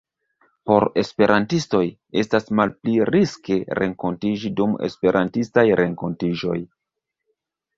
Por Esperantistoj, estas malpli riske renkontiĝi dum Esperantistaj renkontiĝoj.